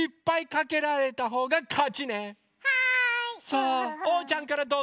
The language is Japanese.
さあおうちゃんからどうぞ！